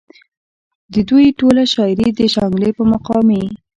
د دوي ټوله شاعري د شانګلې پۀ مقامي